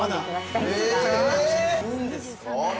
◆いいんですか。